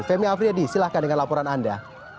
femi afriyadi silahkan dengan laporan anda